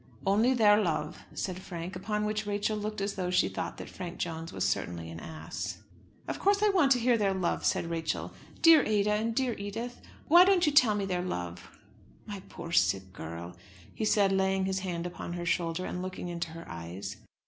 "Only their love," said Frank; upon which Rachel looked as though she thought that Frank Jones was certainly an ass. "Of course I want to hear their love," said Rachel. "Dear Ada, and dear Edith! Why don't you tell me their love?" "My poor sick girl," he said, laying his hand upon her shoulder, and looking into her eyes.